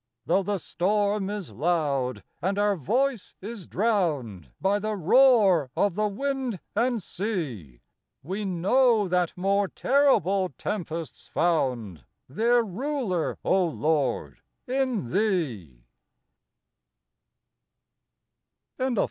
Though the storm is loud, and our voice is drowned By the roar of the wind and sea, We know that more terrible tempests found Their Ruler, O Lord, in Thee